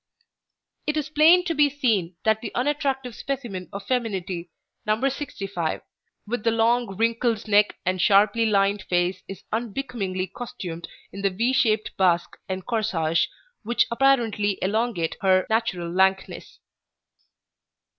[Illustration: NOS. 65 and 66] It is plain to be seen that the unattractive specimen of femininity, No. 65., with the long, wrinkled neck and sharply lined face is unbecomingly costumed in the V shaped basque and corsage which apparently elongate her natural lankness.